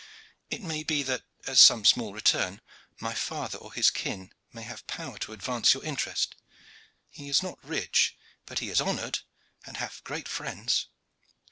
It may be that, as some small return, my father or his kin may have power to advance your interest. He is not rich, but he is honored and hath great friends.